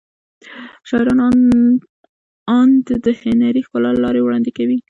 شاعران اند د هنري ښکلا له لارې وړاندې کوي.